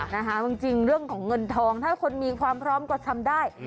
ในจริงเมื่อได้เงินทองมีความพร้อมก็ทำได้